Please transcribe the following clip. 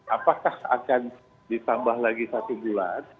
apakah akan ditambah lagi satu bulan